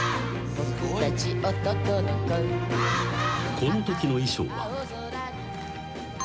［このときの衣装は］